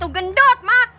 gendut makan tuh